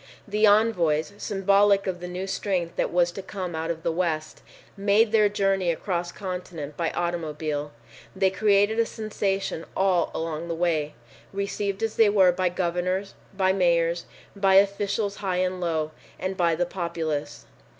The envoys, symbolic of the new strength that was to come out of the West, made their journey across continent by automobile. They created a sensation all along the way, received as they were by governors, by mayors, by officials high and low, and by the populace.